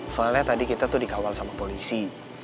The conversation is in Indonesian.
soalnya tadi kita tuh dikawal sama polisi